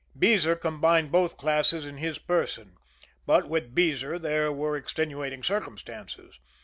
Beezer combined both classes in his person but with Beezer there were extenuating circumstances.